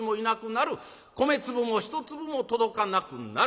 米粒も一粒も届かなくなる。